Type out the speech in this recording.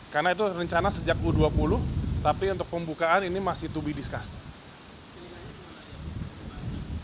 karena itu rencana sejak u dua puluh tapi untuk pembukaan ini masih to be discussed